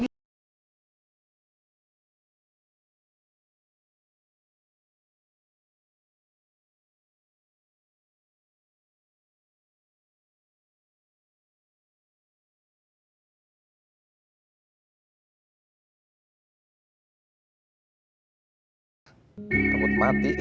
dia harus menjaga kemampuan